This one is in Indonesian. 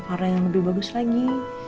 arah yang lebih bagus lagi